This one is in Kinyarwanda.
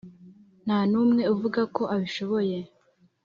nta n umwe uvuga ko abishoboye